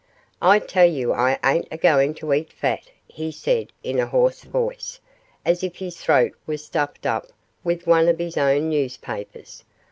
'I tell you I ain't agoin' to eat fat,' he said, in a hoarse voice, as if his throat was stuffed up with one of his own newspapers.